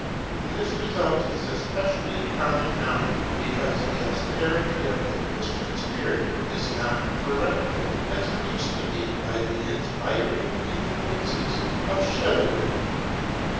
And this result is especially common now, because the austerity of the Christian spirit is not corrected, as it used to be, by the inspiring influences of Chivalry.